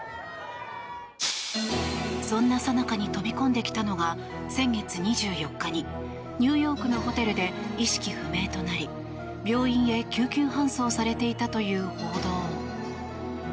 そんなさなかに飛び込んできたのが先月２４日にニューヨークのホテルで意識不明となり病院へ救急搬送されていたという報道。